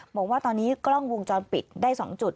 บอกว่าตอนนี้กล้องวงจรปิดได้๒จุด